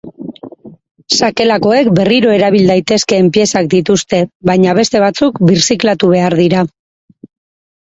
Sakelakoek berriro erabil daitezkeen piezak dituzte, baina beste batzuk birziklatu behar dira.